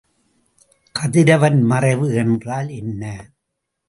கதிரவன் மறைவு என்றால் என்ன?